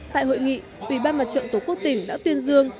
tại hội nghị ủy ban mặt trận tổ quốc tỉnh đã tuyên dương